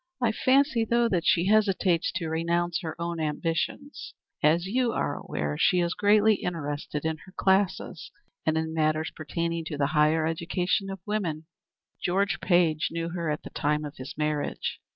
I fancy, though, that she hesitates to renounce her own ambitions. As you are aware, she is greatly interested in her classes, and in matters pertaining to the higher education of women. George Page knew her at the time of his marriage.